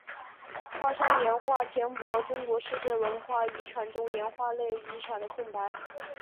花山岩画填补了中国世界文化遗产中岩画类遗产的空白。